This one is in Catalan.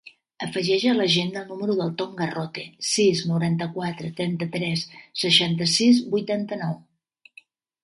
Afegeix a l'agenda el número del Tom Garrote: sis, noranta-quatre, trenta-tres, seixanta-sis, vuitanta-nou.